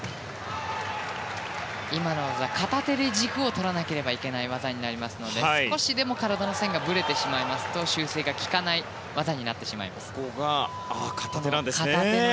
今の技、片手で軸をとらなければいけない技になりますので少しでも体の線がぶれてしまいますと修正がきかない技になってしまいます。